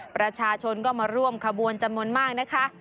ประชาชนก็มาร่วมขบวนจำนวนมากนะคะ